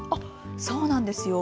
そうなんですよ。